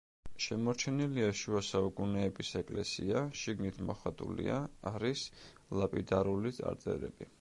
შემორჩენილია შუა საუკუნეების ეკლესია, შიგნით მოხატულია, არის ლაპიდარული წარწერები.